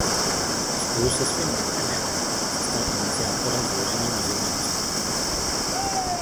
Spolu se svým bratrem Janem se stal iniciátorem založení muzejního spolku.